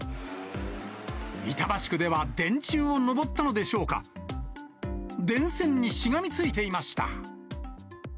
板橋区では電柱を登ったのでしょうか、電線にしがみついていました。